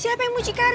siapa yang mau mencari